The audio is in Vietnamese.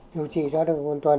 điều trị đã được một tuần